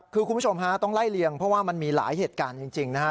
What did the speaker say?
คือคุณผู้ชมฮะต้องไล่เลียงเพราะว่ามันมีหลายเหตุการณ์จริงนะฮะ